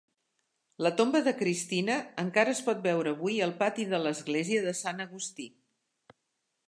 La tomba de Christina encara es pot veure avui al pati de l'església de Sant Agustí.